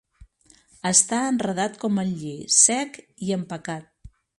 Està enredat com el lli, sec i empacat.